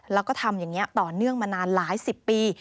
แล้วก็ทำอย่างนี้ต่อเนื่องมานานหลายสิบปี